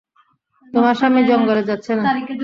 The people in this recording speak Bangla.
তোমার স্বামী জঙ্গলে যাচ্ছে না।